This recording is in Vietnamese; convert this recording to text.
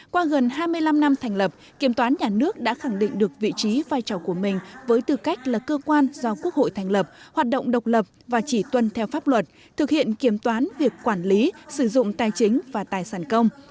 qua gần hai mươi năm năm thành lập kiểm toán nhà nước đã khẳng định được vị trí vai trò của mình với tư cách là cơ quan do quốc hội thành lập hoạt động độc lập và chỉ tuân theo pháp luật thực hiện kiểm toán việc quản lý sử dụng tài chính và tài sản công